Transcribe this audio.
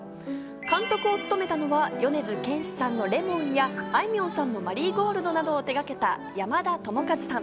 監督を務めたのは米津玄師さんの『Ｌｅｍｏｎ』や、あいみょんさんの『マリーゴールド』などを手がけた山田智和さん。